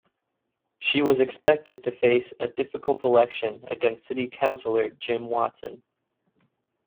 She was expected to face a difficult election against city councillor Jim Watson.